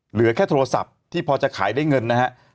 เหลือแค่โทรศัพท์ที่พอจะขายได้เงินนะครับ